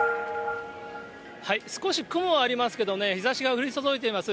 少し雲はありますけど、日ざしが降り注いでいます。